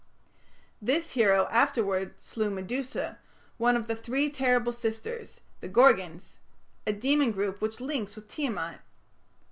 This hero afterwards slew Medusa, one of the three terrible sisters, the Gorgons a demon group which links with Tiamat.